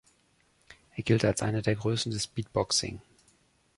Er gilt als eine der Größen des Beatboxing.